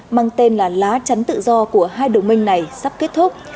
mang tên là lá chắn tự do của hai đồng minh này sắp kết thúc